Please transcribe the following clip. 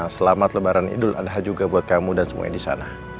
selamat lebaran idul adha juga buat kamu dan semua yang disana